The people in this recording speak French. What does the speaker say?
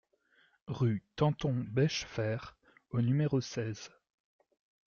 Rue Tanton-Bechefer au numéro seize